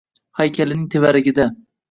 Haykalining tevaragida